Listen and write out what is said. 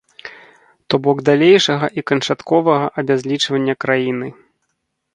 То бок далейшага і канчатковага абязлічвання краіны.